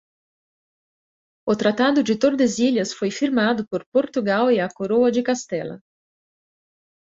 O Tratado de Tordesilhas foi firmado por Portugal e a Coroa de Castela